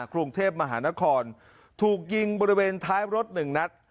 ครุ่งเทพฯมหานฯถูกยิงบริเวณท้ายบริษัทนึงนัตร